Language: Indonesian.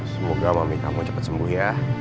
semoga suami kamu cepat sembuh ya